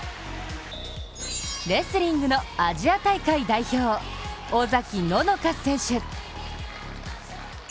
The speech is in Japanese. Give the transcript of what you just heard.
レスリングのアジア大会代表尾崎野乃香選手。